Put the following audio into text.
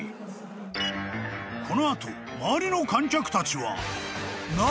［この後周りの観客たちは］